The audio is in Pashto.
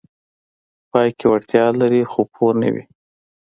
پای کې وړتیا لري خو پوه نه وي: